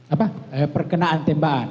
apa perkenaan tembakan